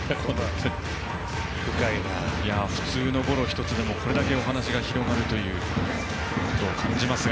普通のゴロ１つでもこれだけお話が広がるということを感じますが。